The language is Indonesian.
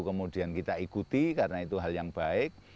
kemudian kita ikuti karena itu hal yang baik